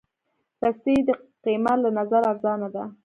رسۍ د قېمت له نظره ارزانه ده.